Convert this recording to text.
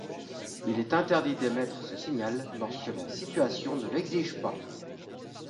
Il est interdit d'émettre ce signal lorsque la situation ne l'exige pas.